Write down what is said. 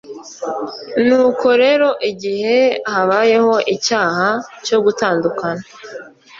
nuko rero igihe habayeho icyaha cyo gutandukana